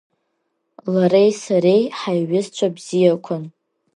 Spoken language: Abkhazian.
Лареи сареи ҳаиҩызцәа бзиақәан.